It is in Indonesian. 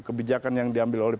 kebijakan yang diambil oleh